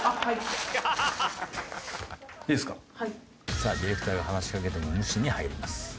さあディレクターが話しかけても無視に入ります。